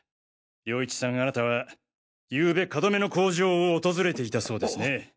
涼一さんあなたはゆうべカドメの工場を訪れていたそうですね。